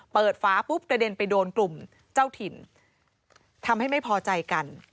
ฝาปุ๊บกระเด็นไปโดนกลุ่มเจ้าถิ่นทำให้ไม่พอใจกัน